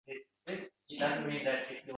U shikoyat qilib boribman.